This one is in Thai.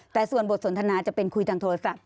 แต่ส่วนบทสนทนาจะเป็นคุยทางโทรศัพท์